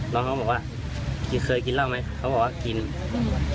น้องเขาบอกว่ากินเคยกินเหล้าไหมเขาบอกว่ากินอืม